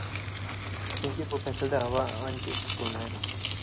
چۈنكى بۇ پەسىلدە ھاۋ ئانچە ئىسسىق بولمايدۇ.